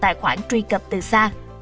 tại khoản truy cập từ xa